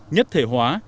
nhất thể hóa